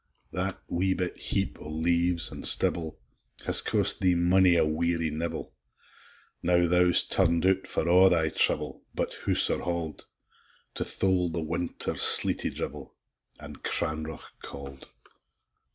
That wee bit heap o' leaves an' stibble, Has cost thee mony a weary nibble! Now thou's turn'd out, for a' thy trouble, But house or hald, To thole the winter's sleety dribble, An' cranreuch cauld!